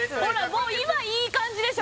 もう今いい感じでしょ